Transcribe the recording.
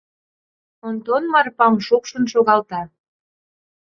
Онтон Марпам шупшын шогалта.